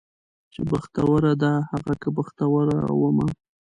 چې بختوره ده هغه که بختوره ومه